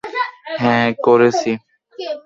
হ্যাঁ, করেছি।